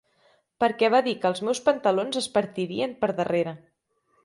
Perquè va dir que els meus pantalons es partirien per darrera.